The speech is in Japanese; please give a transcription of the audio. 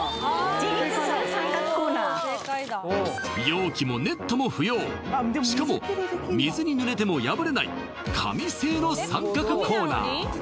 自立する三角コーナー容器もネットも不要しかも水に濡れても破れない紙製の三角コーナー